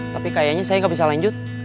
tapi kayaknya saya gak bisa lanjut